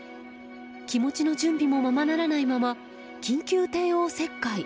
気持ちの準備もままならないまま緊急帝王切開。